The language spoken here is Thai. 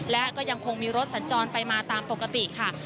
และก็ยังคงมีรถสัญจรไปมาตามปกติค่ะ